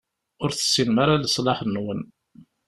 Ur tessinem ara leṣlaḥ-nwen.